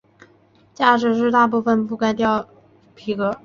驾驶室大部份覆盖上皮革。